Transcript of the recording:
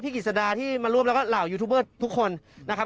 กิจสดาที่มาร่วมแล้วก็เหล่ายูทูบเบอร์ทุกคนนะครับ